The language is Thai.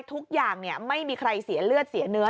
ทุกอย่างไม่มีใครเสียเลือดเสียเนื้อ